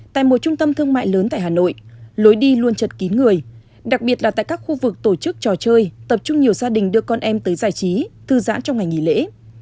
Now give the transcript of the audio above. tại một trung tâm thương mại lớn tại hà nội lối đi luôn chật kín người đặc biệt là tại các khu vực tổ chức trò chơi tập trung nhiều gia đình đưa con em tới giải trí thư giãn trong ngày nghỉ lễ